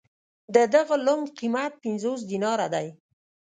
د دغه لنګ قېمت پنځوس دیناره دی.